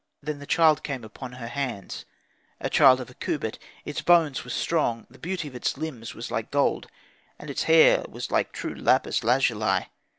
Then the child came upon her hands, a child of a cubit; its bones were strong, the beauty of its limbs was like gold, and its hair was like true lapis lazuli.